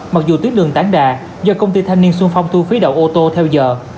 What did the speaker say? mặc dù tuyết đường tán đà do công ty thanh niên xuân phong thu phí đậu ô tô theo giờ